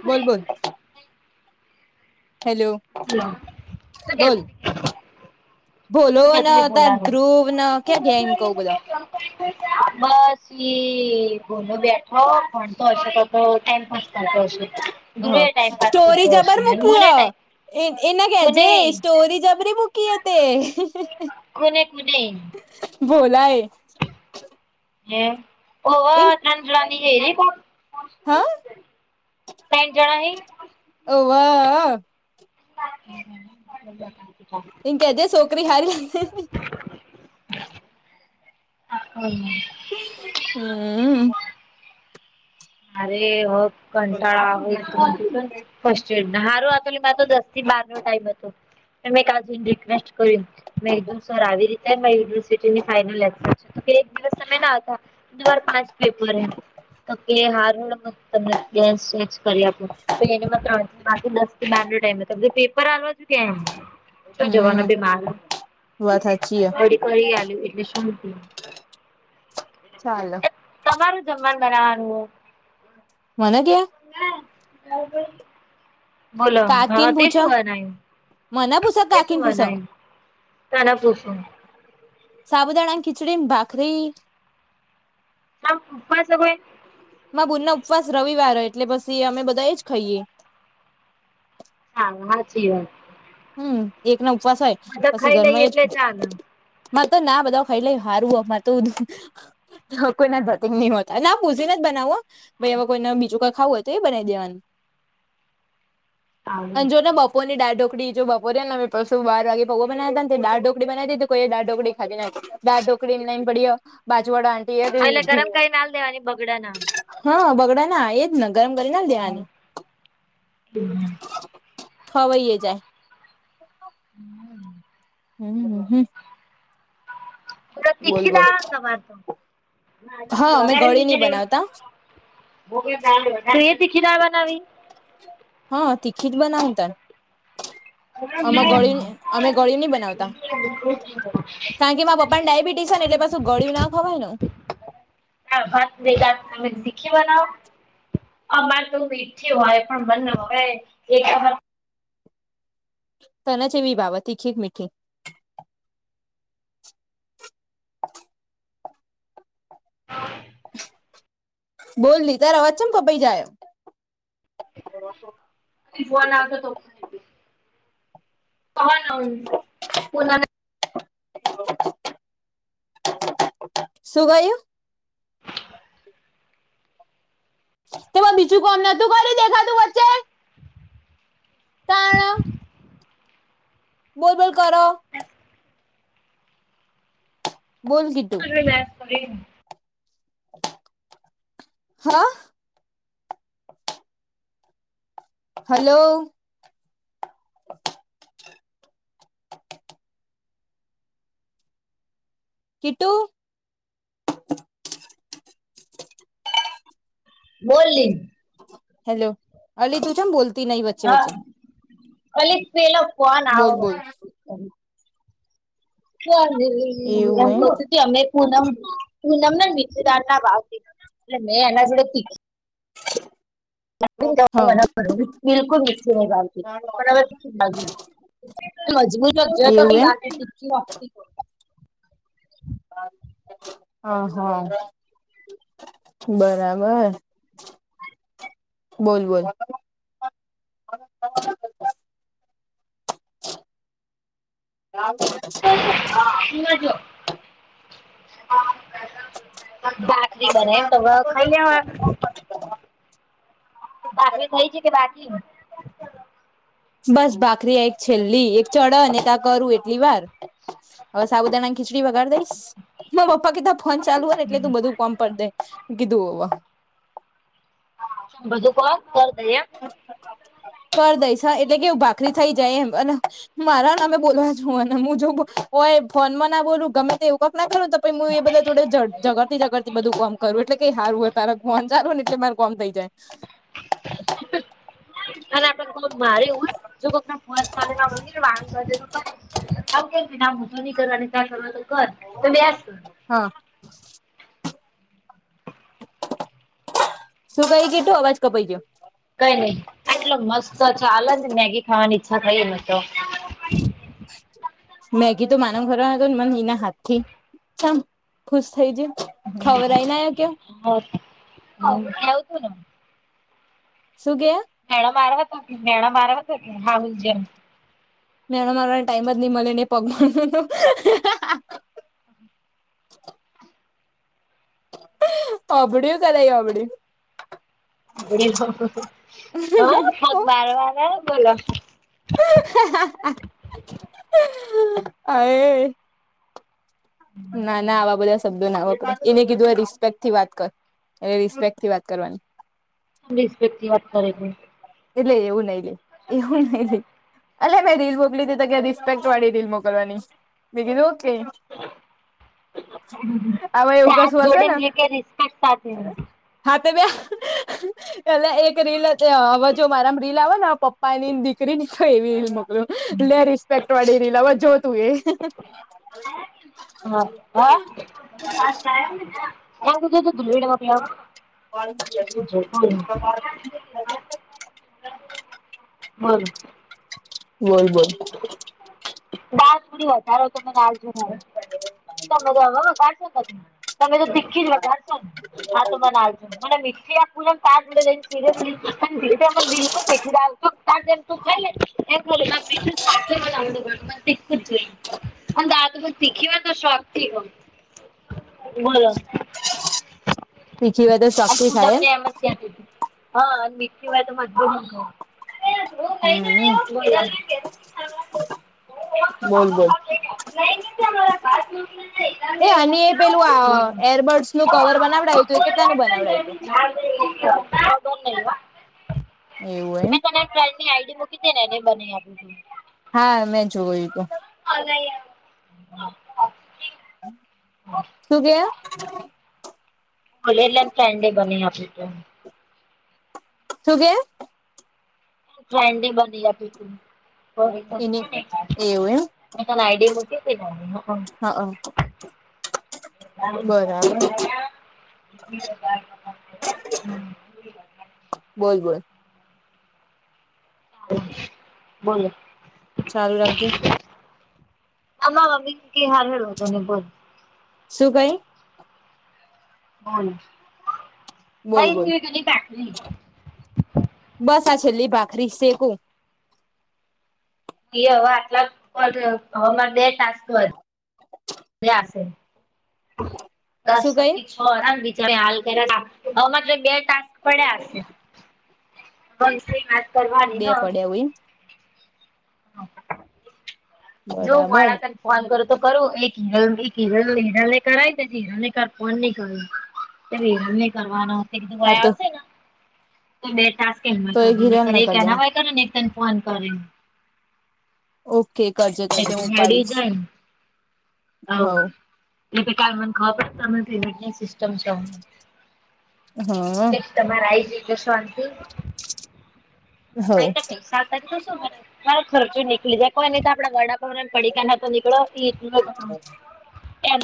બોલ, બોલ, હેલો. બોલ [unintelligible] બોલો તો ક્યા ન તમે તાર બોલા. ધ્રુવ ન ક્યાં ગયા એમ કઉ બધા બસ બોલો, બેઠો ભણતો હશે તો, તો ટાઈમપાસ કરતો હશે. હ, ધ્રુવે ટાઈમ પાસ સ્ટોરી કરતો હશે જબર અને મોકલ, મુને ટાઈમ એના કેજે કુને સ્ટોરી જબરી. ક એ તે. કોને-કોને. ભોલાય. એ ઓ. એમ. રન રને, હરે પાવ. હા. તંન જણા હ. એવા. [unintelligible] ઇકેજે સોકરી હારી. [unintelligible] હમ. અરે હો, કંટાળા હારું, આતો નેતો દ. બ નો ટાઈમ હતો, કાજુ રિક્વેસ્ટ કર્યું. મે સર આવી રીતે યુનિવર્સિટીની ફાઈનલ એક દિવસ તમે હતા. દવાર પાંચ પેપર હ. એ હારુને, તમને ડેસ ચેનજ કરી આપ, તો એને ત્રણ બાર નો ટાઈમ હતો પેપર હાલવા છ કેમ, શું જવાનું હમ ભાઈ માર, વાત સાચી હ ઘડી કરી આલ્યું એટલે શું, ચાલો, અમારું જમવાનું બનાવવાનું, મને કે હ, હ [unintelligible] કાકીને પૂછો, બનાયું? મને પૂછે, તે શું બનાયુ, તને પૂછુ, સાબુદાણાની ખિચડી ન, ભાખરી, આ ઉપવાસ હ કોય, માર બુન ના ઉપવાસ રવિવાર હો એટલે પછી અમે બધા એજ ખાઈએ, સારુ સાચી વાત, હમ એક ના ઉપવાસ હોય બધા પછી ખાઈ ઘર લઈએ માં એ જ એટલે બન, ચાલે મા તો ના બધા ખાઈ લે હારું હ મારે તો, હ કોઈ ના ધતિંગ નહી હોતા ના પૂછીને જ બનાવુ હ, ભાઈ એમાં કોઈને બીજું કઈ ખાવુંય હોય, તો એ બનાવી દેવાનું. [inaudible] આવું અને જોને બપોર ની દાળઢોકડી, જો બપોરે હેને પરશું બાર વાગે પૈવા બનાયાતા ને તે દાળઢોકડી બનાયવી હતી તો કોઈ દાળઢોકડી ખાધી નઈ હતી. દાળઢોકરી ને લઇને પડીય, બાજુવાળા આન્ટી ભી એટલે નહી ગરમ ખાઇ કરીને આલ દેવાની બગડા ના હ, હા બગડા ના આ એ જ ને ગરમ કરીને આલ દેવાની, ખવાઈએ જાય. હમ, હમ હમ, બોલ બોલ, હા અમે ગળી વઘારેલી નહી ખ [unintelligible] બનાવતા તું એ તિખી દાળ બનાવી. હા તીખી જ બનાવુ ને તારે, અમે ગળી અમે ગળી નહી બનાવતા. હ, કારણ કે મારા પપ્પા ને ડાયાબિટીસ ને એટલે પાછું ગળીયુ ના ખવાય ને, દાળ-ભાત ની હગાત તમે તીખી બનાવો, અમારે તો મીઠી હોય પણ બને હો એક, [unintelligible] તને કેવી ભાવે તીખી કે મીઠી, બોલ નહી તાર અવાજ કેમ કપાઈ જાયો, ફોન આવતો તો, હ [unintelligible] શું કહયુ? તેમાં બીજું કોમ નતું કરયુ દેખાતું વચ્ચે, તાણ, બોલ બોલ કરો, બોલ કિટુ, [unintelligible] હા, હલો, કિટું. બોલી. હેલો, અલી તું છે, બોલતી નહી વચ્ચે-વચ્ચે. અલી પેલા ફોન બોલ આવે. બોલ ક્યાં એમ તો. અમે પૂનમ-પૂનમ ના વિદાર ના ભાવથી, એટલે મેં એના જોડે કિધી. હા રા બિલકુલ મી બાતી બરાબર બા [unintelligible] મજબૂત વા ટી એવું એમ વા [unintelligible] હા, હા, બરાબર. બોલ, બોલ. ક [unintelligible] જો [unintelligible] બાખરી બને મ તો, હવે ખાઈ લેવા. ભાખરી થઈ છે કે, બાકી હ. બસ, ભાકરી આ એક છેલ્લી એક ચડ ને ત્યાં કરું, એટલી વાર હવે સાબુદાણાની ખીચડી વગાડી દઈ. હ, માર પપ્પા કીધા ફોન ચાલુ હોય ને, એટલે તું બધું કોમ પડ દે કીધું હોવ. બધું કોમ કર દઈ એમ. કર દઈશ. હ, એટલે કેહવું ભાખરી થઈ જાય, એમ અને મારા ને અમે બોલવા છુ ને, હું જો હોય ફોન માં ના બોલું ગમે તેવુ. કોક નાખોને તો, હું એ બધા જોડેઝગડ ઝડતી બધું કોમ કરું, એટલે કઈ સારું હોય, તારે ફોન સારું ને, એટલે મારે કોમ થઈ જાય. [unintelligible] અને આપડે મારે હોય, જો કોક ફોન ચાલ ના, આમ વાહણ કર તો કરીશ. આવું કે, ના મોતો ની કરવા ની, અને ત સવ તો કર તો વ્યાસ કરું. હા. શું કઈ ગી તું, અવાજ કપાઈ ગયો. કઈ નહી, આટલો મસ્ત આલંદ મેગી ખાવાની ઈચ્છા થઈ, મને તો. મેગી તો માન ઘરમાં હતો ને, મને એના હાથ થી સામ ખુશ થઈ જ. હમ, ખાવ છું ન. શું કે હે? ભેણા મારવતાત ભેણા મારવત હોતી, હાહુ જી ન. મેણા મારોને ટાઈમ જ નહી મળે નને, પગ હા, હા. અબડ્યું કે, નય અબડ્યું. આપ હ ફગ બર વાર બોલો. અ ય [unintelligible] ના, ના, આવા બધા શબ્દો ના હોડ એને કીધું, એ રિસ્પેક્ટ થી વાત કરુ. એય રિસ્પેક્ટ થી વાત કરવાની. રિસ્પેક્ટ થી વાત કર્યા. એટલે એવું નઈ લે, એવું નહીં લે. અલ્યા મેં રીલ મોકલી દી તો કે, રિસ્પેક્ટ વાળી રીલ મોકલવાની, મે કીધું ઓકે. હ. હવે એવું હાત કશું હશે જોડીને કે, રિસ્પેક્ટ સાથે. હાતે બે પેલા એક રીલ હવે. જો મારામ રીલ આવે ને, પપ્પા ની દીકરી ની તો, એવી રીલ મોકલ લે, રિસ્પેક્ટ વાળી રીલ આવે જો તું એ હા હા. એ સુધ તો દુહી [unintelligible] [unintelligible] [inaudible] મારુ. બોલ બોલ, દોડી [unintelligible] વધારો તમે દા જોના તમે બધ હવે વગાશો, તમે તો તીખી જ વધારશો ને આ તો મને, ને મીઠી આપ પુલ ત જોડે જાય સિરિયસલી પણ બિલકુલ મીઠી દાણ, [unintelligible] મને તીખું જ જોઈએ. અને દાણ તો મન તીખી વાતો શોખ થી ખાઉ. બોલો? શીખી હોય તો ચોક્કસ આજ પુનમ થાય ને એમ જ કેતી તી હા મીઠી હોય તો [inaudible] અરે હું કઈ હમ ના આવ- બોલ, બોલ? નહી મારા ભાત નક [inaudible] એ અને એ પેલું અ એરબર્ડ્સનું કવર બનાવડાયુ હતું, એ કેટલાનું બનાવડાયુ હતું. ન હતું એવું એમ [unintelligible] આઈડી મૂકી દે ને એને બનાવી આપ્યું. હા, મેં જોઈ હતું. અરે યાર. શું ગયા? ભલે લે કેન્ડી બનીઈ આપે છે. તું કે કેન્ડી બનાય આપી તી [inaudible] એની એવું એમ મે તને આઈડિ મુકી તી ને હ હ હા. બરાબર [unintelligible] બોલ બોલ. બોલો. ચાલું રાખજે. અમા મી કે હાર હું ત નને બોર શું કહે? હાલ બોલ બોલ. બસ, આ છેલ્લી ભાખરી શેકું. એ હવે આટલા પર હ બે ટાસ્ક હોય બેહાશે શું ટાસ્ક કઈ કમ્પલિટ છ બચ હાલ [inaudible] કર્યા હવેત્ર બે ટાસ્ક પડ્યા બહ સી વાત? કરવાની બે હ પડ્યા હોય એમ. જો બરાબર વાળા ત ફોન કરો તો કરું એક હિરલ, એક હિરલ, હીરાને કારાય કે હીરાને કાર ફોન નહી કર. એને હેરાન ની કરવાનો. ધું હા વાયા તો આવ ને તો બે ટ તો એ ઘિરાલ કર ન નેરે કરી એના દેવા હોય કરે. [inaudible] તને ફોન કરે. ઓકે કરજન. એ હડી જાય, હવ. એ કે મને ખબ પડી, તમે સિસ્ટમ છે. હા. તમારે [unintelligible] હવ હા, પૈસા હતા, તો શું મારો ખર્ચો નીકળી જાય, કોઈ તો આપણા ગડા પડીકાના તો નીકળો, એય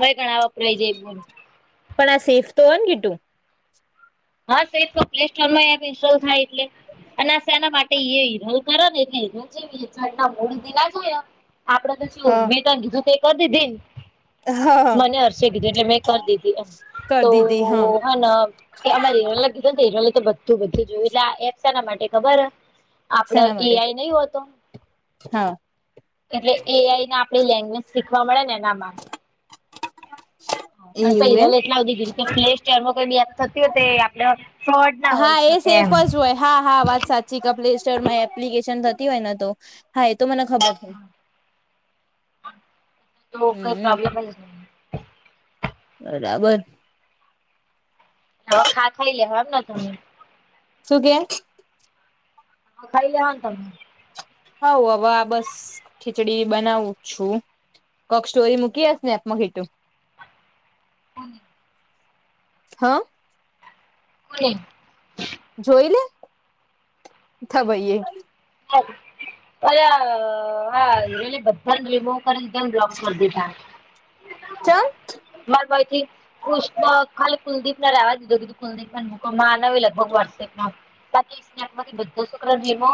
ગણા વપરાય જાય છે. પણ આ સેફ તો હોય ને, ગીટું? હા, સા તો પ્લે સોર માં એ ઇન્સ્ટોલ થાય, એટલે અને શના માટે એ હિરલ કરો ને, એટલે હિરલ જે મૂળ દિલા જોયા. આપડે તો શું હા મેં ત કીધું, તો એ કરી દીધી. હા મને હર્ષ કીધું, એટલે મેં કરી દીધી, એમ કરી તો દીધી હા હે કે અમારે હિરોલ કીધું ને, તો હીરોન લ તો બધું-બધું જોયું, એટલે એસાના માટે ખબર? આપડે શેના માટે એઆઈ નહીં હોતો. હા એટલે એ આઈ ના આપણી લેંગ્વેજ શીખવા મળે ને, એનામાં. એવું એમ કરલ એટલા બધી ગઈ કે, પ્લે સ્ટેરમાં કઈ બ થતી હોય, એ આપડે ફ્રોડ ના હોય. સ્કેમ. જો હા, હા, વાત સાચા. ચી ક પ્લે સ્ટોરમાં એપ્લિકેશન થતી હોય ને તો. હા, એ તો મને ખબર છે. તો કઈ હમ પ્રોબ્લેમ? નહી બરાબર. હ, ખા ખાઈ લેવાય એમ. હમ. સુગે. હ, ખાઈ લ હોને તમે. હઉ હવે આ બસ ખીચડી બનાવું છું. કોક સ્ટોરી મૂકી હસ ને, એમાં ઘેટું. હમ. હા. પને. જોઈ લે થબાઈ. હા. અલી બધા રિમૂવ કરી દીધાને, બ્લોક કરી દીધા. હ. ચમ [unintelligible] બરબાઈ થી. ખુશ તો ખાલી કુલદીપ ના રહેેવા દીધું-કીધું, કુલદીપ ના મૂ ન લગભગ વોટ્સએપમાં. છ સ્કમાંથી બધો શુક્ર જમો.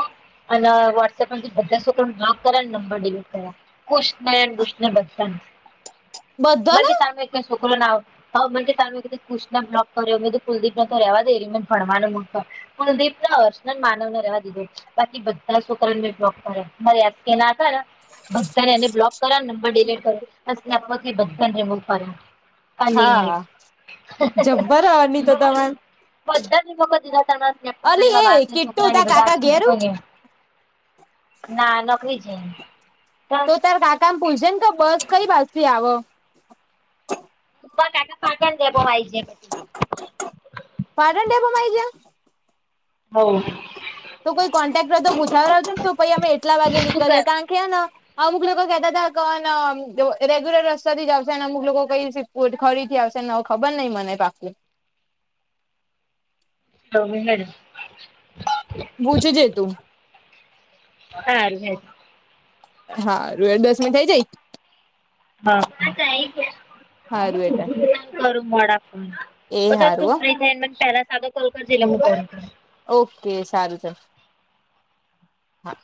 અને વોટસએપમાંથી બધા છોક બ્લોક કર્યા, નંબર ડિલીટ કર્યા. ક બધાને મ તમે છોકરો ના [unintelligible] હ, મને તમે કુશના બ્લોગ કર્યો, મે કુલદીપ ના તો ર રહેવા દે, ર મને ભણવાનું મૂ કુલદીપ ના વર્ષન માનવને રવા દીધું, બાકી બધું. એ સુકરંદબી ડોક્ટરે બરે આ કે ના કરે. ભક્તાને એને બ્લોક કર નંબર ડિલીટ કરે, પ ભને રિમૂવ કર્યા. અને હા જબ્બર અની તો તમારે બધા વખત ખાલી અલી એ મા કીટું છોકરા તાર કાકા બધા ઘેરું આ. ના, નોકરી છે. તો તાર કાકા ન પૂછ જે ક, બસ કઈ બાજ થી આવ માર કાકા પાટણ ડેમો માં આઈ છે. પાટણ ડેમો માં આઈ ગયાં? હોવ તો કોઈ કોન્ટેક્ટર હોય તો પૂછાવડા જ ને તો પછી આપડે એટલા વાગે શું કર નીકળીએ કારણ કે, હે ને અમુક લોકો કેહેતા તા કે હ ન, જો રેગ્યુલર રસ્તા થી જ આવશે અને અમુક લોકો કઈએ છે. ઉટખરી થી આવશે ને હવ ખબર નહિ મને બાકી તમે હેડ પૂછ જ તું હારુ હેડ હા, રેડ દસ મી થઇ જાય. હા, માતા આઈ ગયાં હારું એટલે કરું મોડા ફોન એ પણ તું હારું તાર હો. ફ્રી થઈને મને પેલા સાદો કોલકા જિલ્લામાં મૂકવાના છે. ઓકે.. સારું ચલો હા..